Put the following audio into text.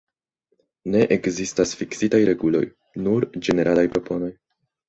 Ne ekzistas fiksitaj reguloj, nur ĝeneralaj proponoj.